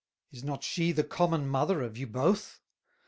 Is not she the common Mother of you both?